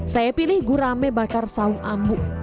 saya pilih gurame bakar sawang ambu